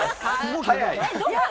早い。